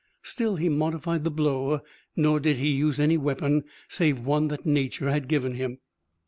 Still he modified the blow, nor did he use any weapon, save one that nature had given him.